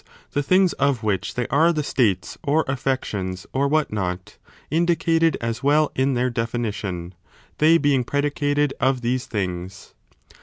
the things of which they are the states or affections or what not, indicated as well in their definition, they being predicated of these things.